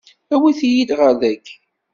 Awit-iyi-t-id ɣer dagi!